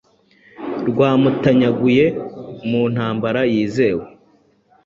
Rwamutanyaguye muntambara yizewe